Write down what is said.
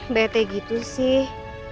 bete gitu sih